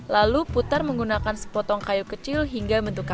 lalu putar menggunakan sepotong kayu kecil hingga mendukungnya